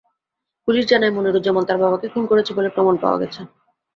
Police জানায়, মনিরুজ্জামান তাঁর বাবাকে খুন করেছেন বলে প্রমাণ পাওয়া গেছে।